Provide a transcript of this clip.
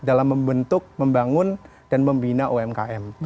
dalam membentuk membangun dan membina umkm